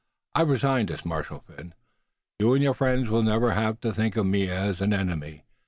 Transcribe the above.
I've resigned as a marshal, Phin. You and your friends will never have to think of me again as an enemy.